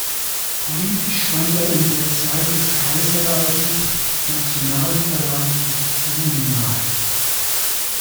Politisch stand er in der Zeit des Kaiserreiches nationalliberalen Positionen nahe.